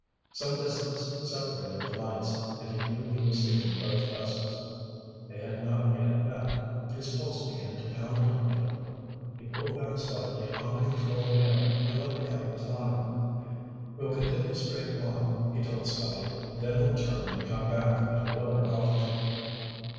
Some distance separated the lights and he knew he was seeing both vessels. They had not yet met. His pulse began to pound a little. He pulled back slightly on the control wheel and let the Cub climb. "We'll continue straight on," he told Scotty. "Then we'll turn and come back at a lower altitude."